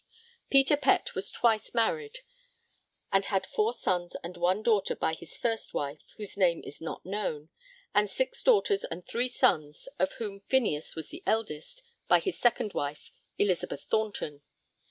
Peter Pett was twice married, and had four sons and one daughter by his first wife, whose name is not known; and six daughters and three sons (of whom Phineas was the eldest) by his second wife, Elizabeth Thornton.